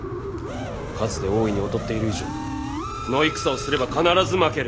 数で大いに劣っている以上野戦をすれば必ず負ける。